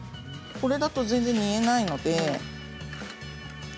これだと全然煮えないので。